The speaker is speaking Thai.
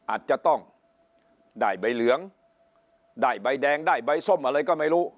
อาจจะต้องได้ใบเหลืองได้ใบแดงได้ใบส้มอะไรก็ไม่รู้